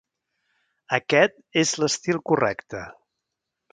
Aquest és l'estil correcte.